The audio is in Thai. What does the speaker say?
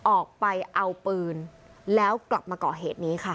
ออกไปเอาปืนแล้วกลับมาก่อเหตุนี้ค่ะ